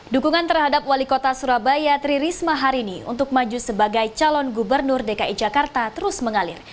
dukungan terhadap wali kota surabaya tri risma hari ini untuk maju sebagai calon gubernur dki jakarta terus mengalir